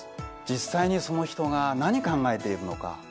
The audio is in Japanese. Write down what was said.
実際にその人が何考えているのか